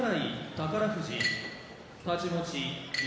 宝富士太刀持ち翠